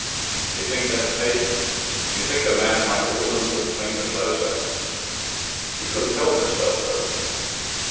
"Do you think that, Kate? Do you think a man, like a woman, would cling the closer?" "He couldn't help himself, Philip."